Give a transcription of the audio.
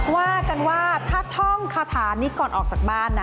ว่ากันว่าถ้าท่องคาถานี้ก่อนออกจากบ้านนะ